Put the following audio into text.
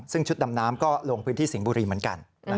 ซึ่งชุดดำน้ำก็ลงพื้นที่สิงห์บุรีเหมือนกัน